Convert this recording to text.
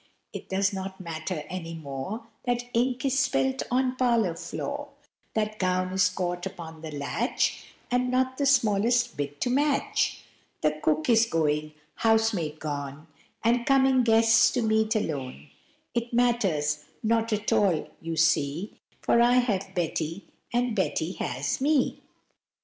It does not matter any more That ink is spilt on parlor floor, That gown is caught upon the latch, And not the smallest bit to match, That cook is going, housemaid gone, And coming guests to meet alone; It matters not at all, you see, For I have Betty, and Betty has me.